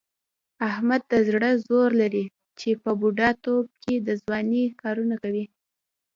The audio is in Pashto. احمد د زړه زور لري، چې په بوډا توب کې د ځوانۍ کارونه کوي.